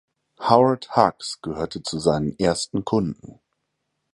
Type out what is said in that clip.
Howard Hughes gehörte zu seinen ersten Kunden.